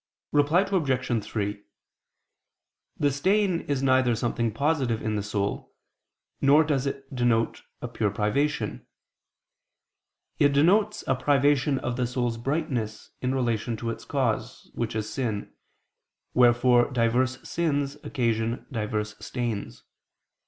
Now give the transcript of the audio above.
Reply Obj. 3: The stain is neither something positive in the soul, nor does it denote a pure privation: it denotes a privation of the soul's brightness in relation to its cause, which is sin; wherefore diverse sins occasion diverse stains.